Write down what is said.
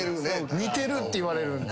似てるって言われるんで。